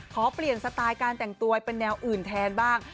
ขอเปลี่ยนสไตล์การแต่งตัวเป็นแนวอื่นแทนบ้าง